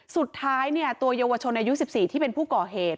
สุดท้ายตัวเยาวชนอายุ๑๔ที่เป็นผู้ก่อเหตุ